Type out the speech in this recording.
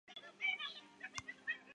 半岛上主要为丘陵地形。